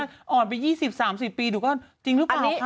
อ่อนไป๒๐๓๐ปีหนูก็จริงรึเปล่าคณน้อยมันดิ